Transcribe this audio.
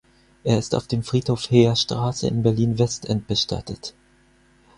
Er ist auf dem Friedhof Heerstraße in Berlin-Westend bestattet.